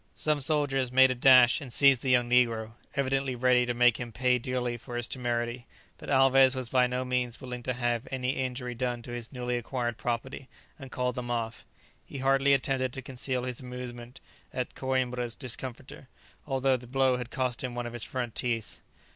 Some soldiers made a dash and seized the young negro, evidently ready to make him pay dearly for his temerity; but Alvez was by no means willing to have any injury done to his newly acquired property, and called them off. He hardly attempted to conceal his amusement at Coïmbra's discomfiture, although the blow had cost him one of his front teeth.